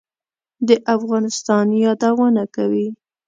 د افغانستان یادونه کوي.